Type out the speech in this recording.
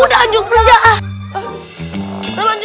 udah anjur kerja ah